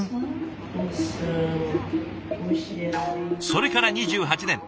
それから２８年。